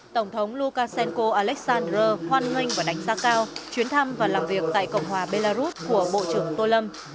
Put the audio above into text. tổng thống lukashenko alessandr hoan nghênh và đánh giá cao chuyến thăm và làm việc tại cộng hòa belarus của bộ trưởng tô lâm